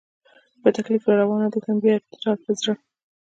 په تکلیف را روان و، دلته مې بیا دا ډار په زړه.